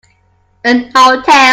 An hotel.